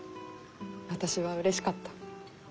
私はうれしかった。